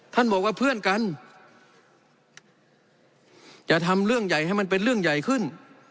บอกว่าเพื่อนกันจะทำเรื่องใหญ่ให้มันเป็นเรื่องใหญ่ขึ้น